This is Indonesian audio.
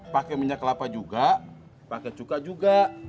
pakai minyak kelapa juga pakai cuka juga